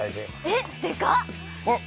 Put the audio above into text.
えっでかっ！